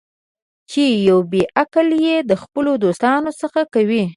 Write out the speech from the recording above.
چې یو بې عقل یې د خپلو دوستانو څخه کوي.